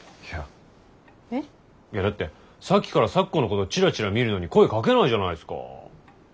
いやだってさっきから咲子のことチラチラ見るのに声かけないじゃないですか。